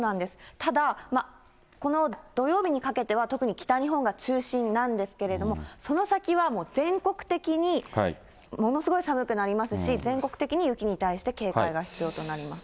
ただ、この土曜日にかけては、特に北日本が中心なんですけれども、その先はもう全国的にものすごい寒くなりますし、全国的に雪に対して警戒が必要となります。